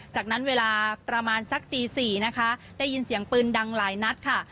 จากนั้นเวลาประมาณสักตี๔นะคะได้ยินเสียงปืนดังหลายนัดค่ะ